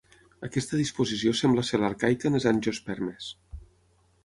Aquesta disposició sembla ser l'arcaica en les angiospermes.